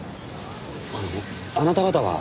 あのあなた方は？